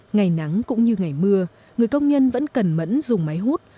ngày nắng cũng như ngày mưa người công nhân vẫn cẩn mẫn dùng máy hút